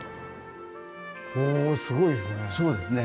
おおすごいですね。